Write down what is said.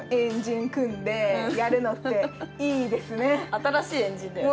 新しい円陣だよね。